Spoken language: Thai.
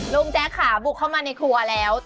แจ๊คค่ะบุกเข้ามาในครัวแล้ว